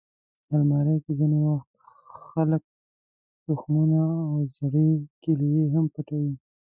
الماري کې ځینې وخت خلک تخمونه او زړې کیلې هم پټوي